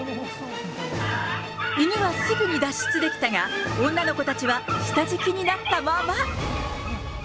犬はすぐに脱出できたが、女の子たちは下敷きになったまま。